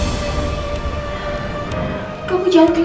kalau kamu lebih baik dari dia